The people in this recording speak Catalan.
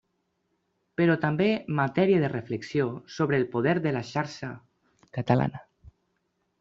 Però també matèria de reflexió sobre el poder de la xarxa catalana.